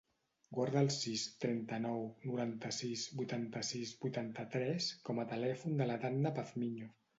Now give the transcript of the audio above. Guarda el sis, trenta-nou, noranta-sis, vuitanta-sis, vuitanta-tres com a telèfon de la Danna Pazmiño.